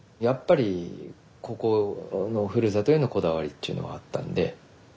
やっぱりここのふるさとへのこだわりっていうのはあったんで。